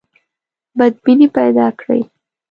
بدبیني پیدا کړي.